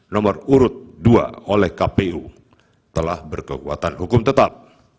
nomor urut dua oleh kpu telah berkekuatan hukum tetap